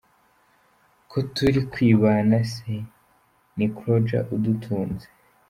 Ko turi kwibana se ni Croidja udutunze?”.